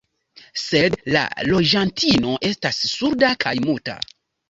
Sed la loĝantino estas surda kaj muta.